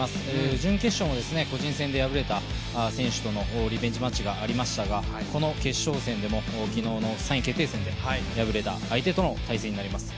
準決勝も個人戦で敗れた選手とのリベンジマッチがありましたがこの決勝戦でも昨日の３位決定戦で敗れた相手との対戦となります。